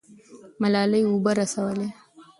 ملالۍ اوبه رسولې.